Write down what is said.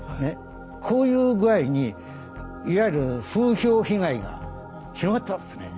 こういう具合にいわゆる風評被害が広がったんですね。